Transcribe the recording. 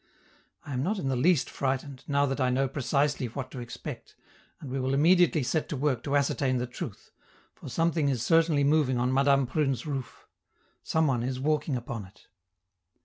I am not in the least frightened, now that I know precisely what to expect, and we will immediately set to work to ascertain the truth, for something is certainly moving on Madame Prune's roof; some one is walking upon it.